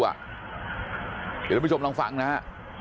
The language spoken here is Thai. เดี๋ยวเราไปชมลองฟังนะฮะ